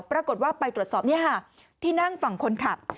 ปรากฏว่าไปตรวจสอบที่นั่งฝั่งคนขับ